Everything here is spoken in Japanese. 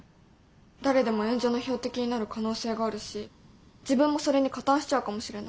誰でも炎上の標的になる可能性があるし自分もそれに加担しちゃうかもしれない。